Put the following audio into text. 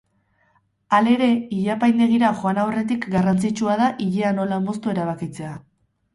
Halere, ile-apaindegira joan aurretik garrantzitsua da ilea nola moztu erabakitzea.